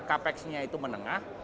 cap ex nya itu menengah